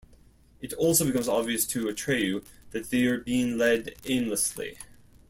It also becomes obvious to Atreyu that they are being led aimlessly.